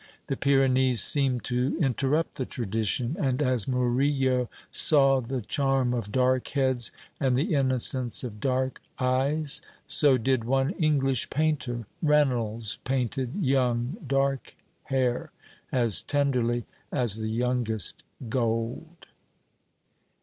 The Pyrenees seemed to interrupt the tradition. And as Murillo saw the charm of dark heads, and the innocence of dark eyes, so did one English painter. Reynolds painted young dark hair as tenderly as the youngest gold.